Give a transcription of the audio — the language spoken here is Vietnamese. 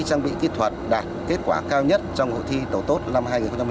trang bị kỹ thuật đạt kết quả cao nhất trong hội thi đầu tốt năm hai nghìn một mươi chín